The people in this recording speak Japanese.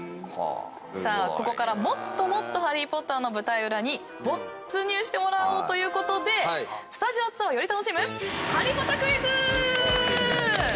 さあここからもっともっと『ハリー・ポッター』の舞台裏に没入してもらおうということでスタジオツアーをより楽しむハリポタクイズ！